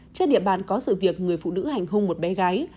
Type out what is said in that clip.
trên địa bàn có sự việc người phụ nữ hành hung một bé gái